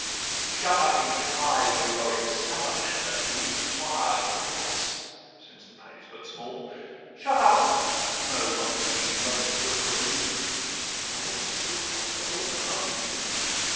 Shut up each high heroic salamander, Who eats fire gratis (since the pay 's but small); Shut up—no, not the King, but the Pavilion, Or else 'twill cost us all another million.